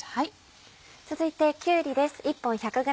続いてきゅうりです。